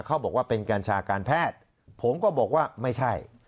เขาบอกว่าเป็นกัญชาการแพทย์ผมก็บอกว่าไม่ใช่